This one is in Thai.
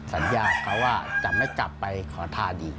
สัญญากับเขาว่าจะไม่กลับไปขอทานอีก